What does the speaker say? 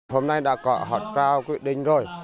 hôm nay đã có họ trao quyết định rồi